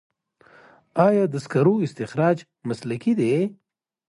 آیا د سکرو استخراج مسلکي دی؟